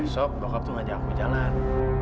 besok bokap tuh ngajak gue jalan